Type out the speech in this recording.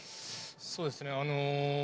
そうですね。